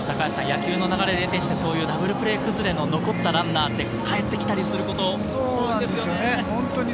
野球の流れで得てしてダブルプレーくずれで残ったランナーって、かえってきたりすること多いですよね。